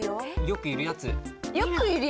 よくいるやつ？